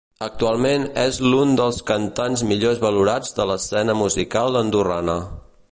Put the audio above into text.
Actualment és l'un dels cantants millors valorats de l'escena musical andorrana.